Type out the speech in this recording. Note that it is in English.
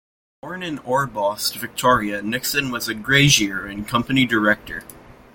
Born in Orbost, Victoria, Nixon was a grazier and company director.